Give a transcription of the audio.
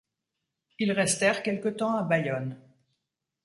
Ils restèrent quelque temps à Bayonne.